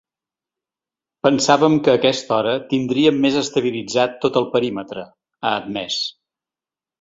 Pensàvem que a aquesta hora tindríem més estabilitzat tot el perímetre, ha admès.